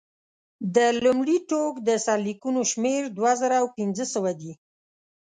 د لومړي ټوک د سرلیکونو شمېر دوه زره پنځه سوه دی.